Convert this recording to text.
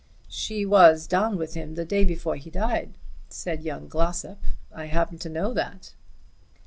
"She was down with him the day before he died," said young Glossop. "I happen to know that."